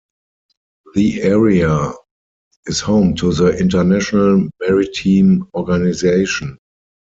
The area is home to the International Maritime Organization.